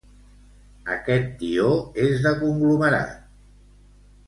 Aquest tió és de conglomerat!